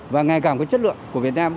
và ngày càng có chất lượng của việt nam